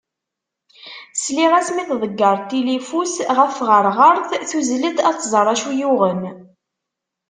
Sliɣ-as mi tḍegger tilifu-s ɣef tɣerɣert tuzzel-d ad tẓer acu yi-yuɣen.